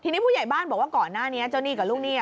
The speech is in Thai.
ทีนี้ผู้ใหญ่บ้านบอกว่าก่อนหน้านี้เจ้าหนี้กับลูกหนี้